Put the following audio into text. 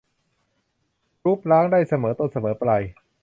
กรู๊ฟ ร้างได้เสมอต้นเสมอปลาย